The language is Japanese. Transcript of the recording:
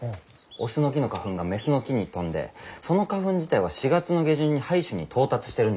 雄の木の花粉が雌の木に飛んでその花粉自体は４月の下旬に胚珠に到達してるんだよね。